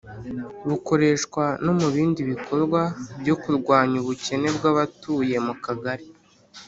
bukoreshwa no mu bindi bikorwa byo kurwanya ubukene bw'abatuye mu kagari.